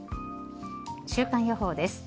週間予報です。